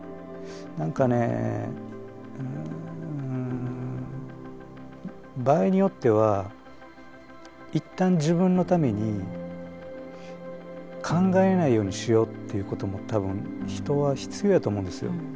何かねうん場合によっては一旦自分のために考えないようにしようっていうことも多分人は必要やと思うんですよ。